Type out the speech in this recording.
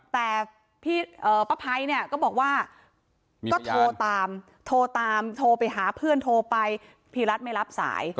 แต่ป้าภัยเนี่ยก็บอกว่าก็โทรตามโทรตามโทรไปหาเพื่อนโทรไปพี่รัฐไม่รับสาย